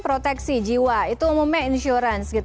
proteksi jiwa itu umumnya insurance